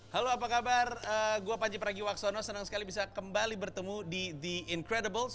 halo apa kabar gue panji pragiwaksono senang sekali bisa kembali bertemu di the incredibles